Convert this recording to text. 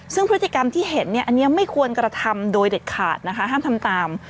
ซึ่งพฤติกรรมที่เห็นเนี่ยอันนี้ไม่ควรกระทำโดยเด็ดขาดนะคะห้ามทำตาม